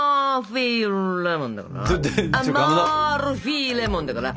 アマルフィレモンだから。